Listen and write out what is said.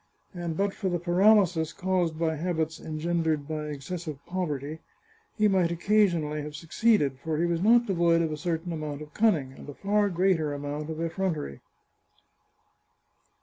And but for the paralysis caused by habits engendered by excessive poverty, he might occasionally have succeeded, for he was not devoid of a certain amount of cunning, and a far greater amount of effrontery.